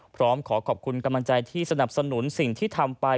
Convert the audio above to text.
พร้อมขอขอบคุณกำลังใจที่สนับสนุนสิ่งที่ทำไป